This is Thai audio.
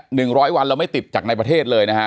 หนึ่งร้อยวันเราไม่ติดจากในประเทศเลยนะฮะ